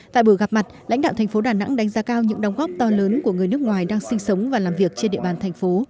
tại buổi gặp mặt lãnh đạo thành phố đà nẵng đánh giá cao những đóng góp to lớn của người nước ngoài đang sinh sống và làm việc trên địa bàn thành phố